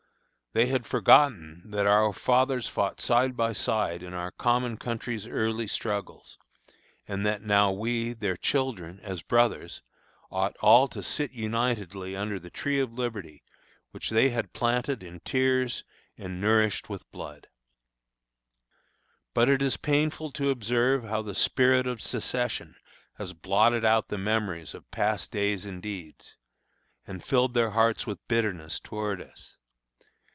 They had forgotten that our fathers fought side by side in our common country's early struggles, and that now we, their children, as brothers, ought all to sit unitedly under the tree of liberty which they had planted in tears and nourished with blood. But it is painful to observe how the spirit of secession has blotted out the memories of past days and deeds, and filled their hearts with bitterness toward us.